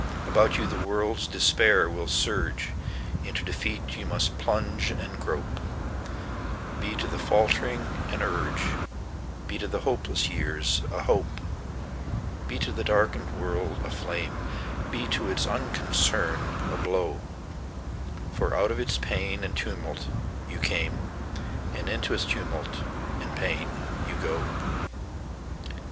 About you the world's despair will surge; Into defeat you must plunge and grope.Be to the faltering an urge; Be to the hopeless years a hope! Be to the darkened world a flame; Be to its unconcern a blow—For out of its pain and tumult you came, And into its tumult and pain you go.